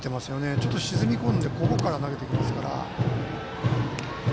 ちょっと沈み込んでそこから投げてきますから。